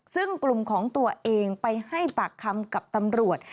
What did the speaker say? ซึ่งกลุ่มของตัวเองไปให้ปากคำกับตำรวจ